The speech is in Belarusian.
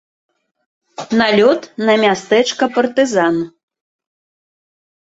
Налёт на мястэчка партызан.